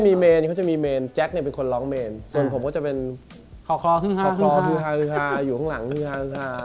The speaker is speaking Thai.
เขาจะมีเมนแจ็คเนี่ยเป็นคนร้องเมนส่วนผมก็จะเป็นขอคลอครึ่งห้าอยู่ข้างหลังครึ่งห้า